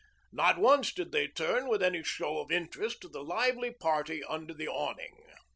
Not once did they turn with any show of interest to the lively party under the awning.